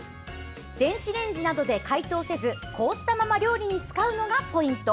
電子レンジなどで解凍せず凍ったまま料理に使うのがポイント！